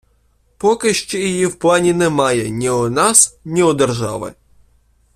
Поки ще її в плані немає ні у нас, ні у держави.